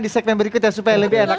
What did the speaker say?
di segmen berikutnya supaya lebih enak